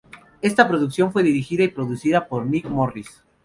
Esta producción fue dirigida y producida por Nick Morris.